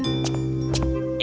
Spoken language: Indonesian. kota kota kota